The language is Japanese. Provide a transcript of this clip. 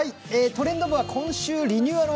「トレンド部」は今週リニューアル